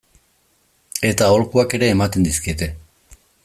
Eta aholkuak ere ematen dizkiete.